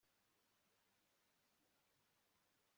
amenyo ye afite uburwayi